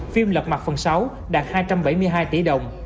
phim lật mặt phần sáu đạt hai trăm bảy mươi hai tỷ đồng